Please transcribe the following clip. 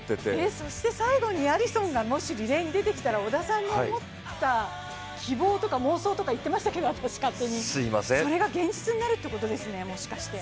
そして最後にアリソンがもしリレーに出てきたら織田さんの思った希望とか妄想とか勝手に言ってましたけど、それが現実に７）ってことですね、もしかして。